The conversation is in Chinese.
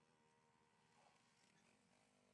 该会成为抗日民族统一战线的具体组织形式。